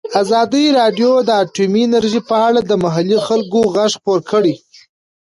ازادي راډیو د اټومي انرژي په اړه د محلي خلکو غږ خپور کړی.